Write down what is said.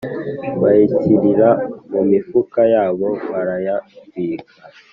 bayishyirira mu mifuka yabo barayabika